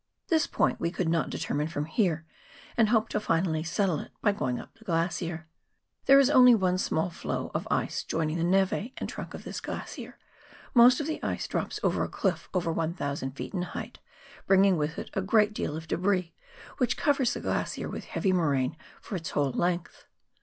This point we could not determine from here and hoped to finally settle it by going up the glacier. There is onl}^ one small flow of ice joining the neve and trunk of this glacier, most of the ice drops over a cliff over 1,000 ft. in height, bringing with it a great deal of debris, which covers the glacier with heavy moraine for its whole length.